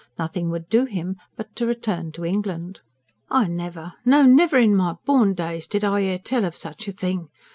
Nothing would do him but to return to England. "I never! No, never in my born days did I hear tell of such a thing!"